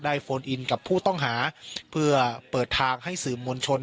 โฟนอินกับผู้ต้องหาเพื่อเปิดทางให้สื่อมวลชน